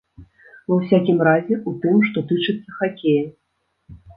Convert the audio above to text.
Ва ўсякім разе, у тым, што тычыцца хакея.